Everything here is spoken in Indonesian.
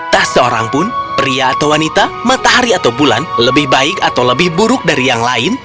tak seorang pun pria atau wanita matahari atau bulan lebih baik atau lebih buruk dari yang lain